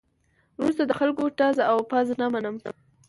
وروسته د خلکو ټز او پز نه منم.